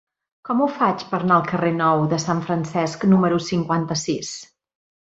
Com ho faig per anar al carrer Nou de Sant Francesc número cinquanta-sis?